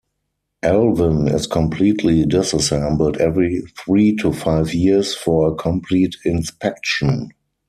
"Alvin" is completely disassembled every three to five years for a complete inspection.